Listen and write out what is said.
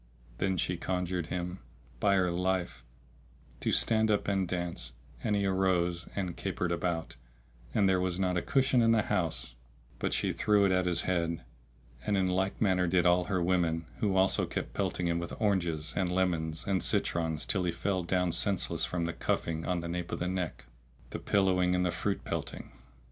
Then she conjured him, by her life, to stand up and dance, and he arose, and capered about, and there was not a cushion in the house but she threw it at his head, and in like manner did all her women who also kept pelting him with oranges and lemons and citrons till he fell down senseless from the cuffing on the nape of the neck, the pillowing and the fruit pelting.